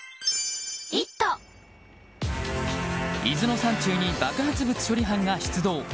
伊豆の山中に爆発物処理班が出動。